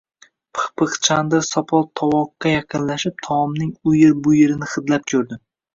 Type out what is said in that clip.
Pixpix Chandr sopol tovoqqa yaqinlashib, taomning u yer-bu yerini hidlab ko‘rdi